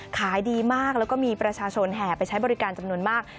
ขายดีมากแล้วก็มีประชาชนแห่ไปใช้บริการจำนวนมาก